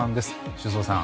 修造さん